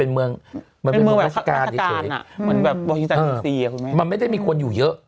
มันไม่ได้มีคนอยู่เยอะ